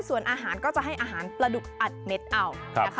ส่วนอาหารก็จะให้อาหารประดุอัดเม็ดอ้าว